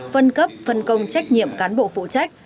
phân cấp phân công trách nhiệm cán bộ phụ trách